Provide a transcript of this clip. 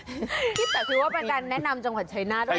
กิ๊กแต่ทิวว่าเป็นแจนแนะนำจังหวัดชัยนาธด้วย